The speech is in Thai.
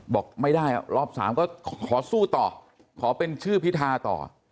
บอกไม่ได้รอบสามก็ขอสู้ต่อขอเป็นชื่อพิธาต่อ